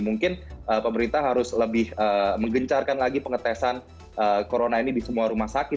mungkin pemerintah harus lebih menggencarkan lagi pengetesan corona ini di semua rumah sakit